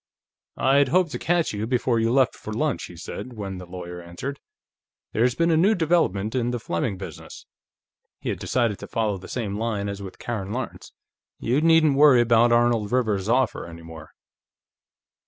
"I'd hoped to catch you before you left for lunch," he said, when the lawyer answered. "There's been a new development in the Fleming business." He had decided to follow the same line as with Karen Lawrence. "You needn't worry about Arnold Rivers's offer, any more."